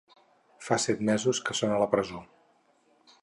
Fa set mesos que són a la presó.